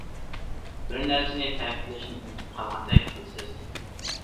بىر نەرسىنى تەكىتلەشنى ئۇنتۇپ قالغاندەك قىلىسىز.